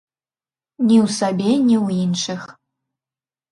Ні ў сабе, ні ў іншых.